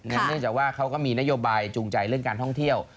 เนื่องจากว่าเขาก็มีนโยบายจูงใจเรื่องการท่องเที่ยว